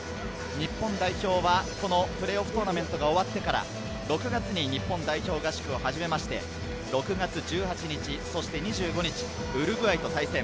日本代表はこのプレーオフトーナメントが終わってから６月に日本代表合宿を始めて、６月１８日、そして２５日ウルグアイと対戦。